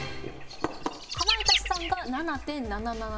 かまいたちさんが７．７７秒。